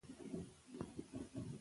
مور د ماشومانو د ذهني ودې ملاتړ کوي.